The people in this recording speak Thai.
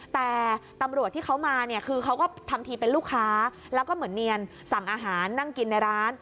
แต่ตำรวจที่เขามาเนี่ยคือเขาก็ทำทีเป็นลูกค้าแล้วก็เหมือนเนียนสั่งอาหารนั่งกินในร้าน